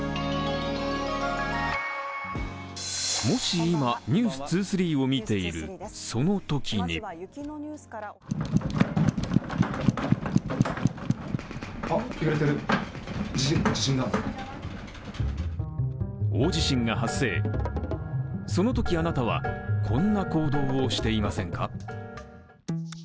もし、今、「ｎｅｗｓ２３」を見ているそのときに大地震が発生、そのときあなたは、こんな行動をしていませんか。